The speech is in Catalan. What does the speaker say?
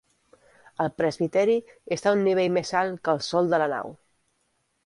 El presbiteri està a un nivell més alt que el sòl de la nau.